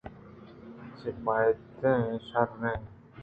چہ بیٛنگ ءَ شرپُرّیں